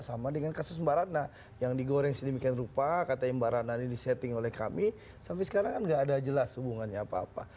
sama dengan kasus mbak ratna yang digoreng sedemikian rupa katanya mbak ratna ini disetting oleh kami sampai sekarang kan nggak ada jelas hubungannya apa apa